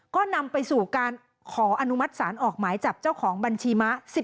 ก็นำไปสู่การขออนุมัติศาลออกหมายจับเจ้าของบัญชีมะ